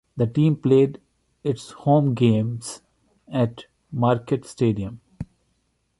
The team played its home games at Marquette Stadium.